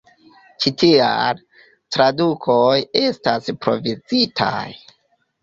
Ĉi tial, tradukoj estas provizitaj.